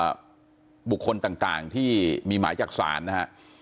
ได้เท่าควบคุมตัวบุคคลต่างที่มีหมายจักษานะฮะ